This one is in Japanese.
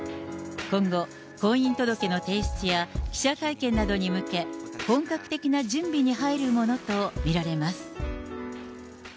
今後、婚姻届の提出や、記者会見などに向け、本格的な準備に入るものと見られます。